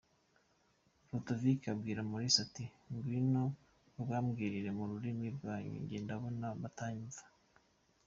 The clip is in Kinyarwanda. Petrovic abwira Mulisa ati ngwino ubambwirire mu rurimi rwanyu njye ndabona batanyumva